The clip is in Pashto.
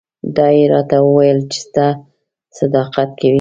دا یې راته وویل چې ته صداقت کوې.